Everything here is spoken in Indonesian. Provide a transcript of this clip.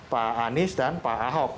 pak anies dan pak ahok